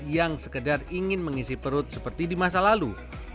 yang sekedar ingin mengisi perut seperti di masa lalu